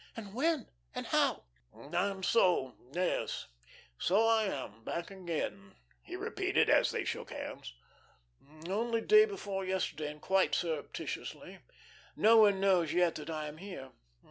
"And when, and how?" "And so yes so I am back again," he repeated, as they shook hands. "Only day before yesterday, and quite surreptitiously. No one knows yet that I am here.